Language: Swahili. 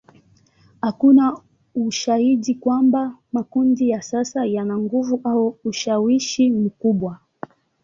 Hakuna ushahidi kwamba makundi ya sasa yana nguvu au ushawishi mkubwa.